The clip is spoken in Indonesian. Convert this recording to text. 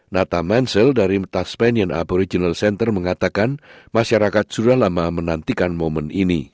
nata mansell dari tasmanian aboriginal center mengatakan masyarakat sudah lama menantikan momen ini